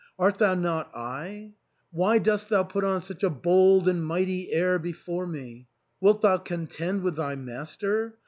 Art thou not I ? Why dost thou put on such a bold and mighty air before me ? Wilt thou contend with thy master